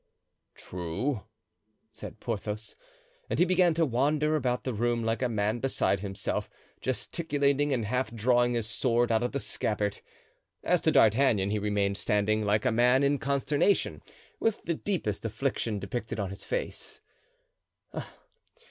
"True," said Porthos. And he began to wander about the room like a man beside himself, gesticulating and half drawing his sword out of the scabbard. As to D'Artagnan, he remained standing like a man in consternation, with the deepest affliction depicted on his face.